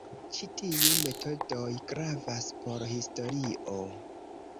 Ĉi tiu metodoj gravas por historio.